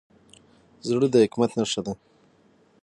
زړه د حکمت نښه ده.